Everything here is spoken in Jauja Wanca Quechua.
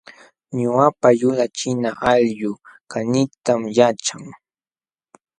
Ñuqapa yulaq china allquu kaniytam yaćhan